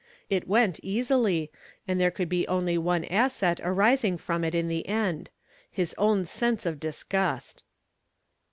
It went easily, and there could be only one asset arising from it in the end his own sense of disgust.